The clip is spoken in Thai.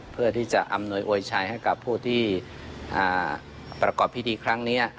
เพื่อที่จะอำนวยโวยชัยให้กับผู้ที่ประกอบพิธีครั้งนี้